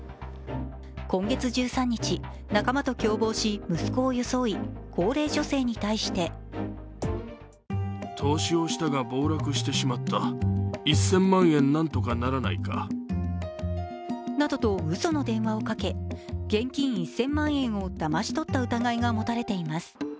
今月１３日、仲間と共謀し息子を装い、高齢女性に対してなどと、うその電話をかけ現金１０００万円をだまし取った疑いが持たれています。